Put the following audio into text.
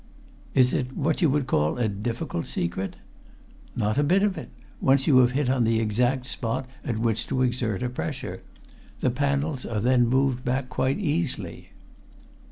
"Is it what you would call a difficult secret?" "Not a bit of it once you have hit on the exact spot at which to exert a pressure. The panels are then moved back quite easily."